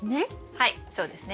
はいそうですね。